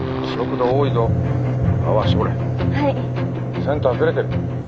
センターずれてる。